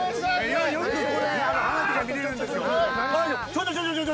よくここで花火が見れるんですよ。